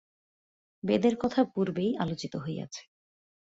বেদের কথা পূর্বেই আলোচিত হইয়াছে।